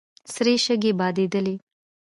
سرې شګې بادېدلې.